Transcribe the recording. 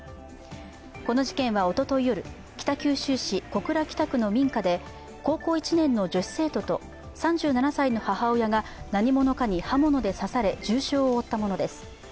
この事件はおととい夜、北九州市小倉北区の民家で、高校１年の女子生徒と、３７歳の母親が何者かに刃物で刺され重傷を負ったものです。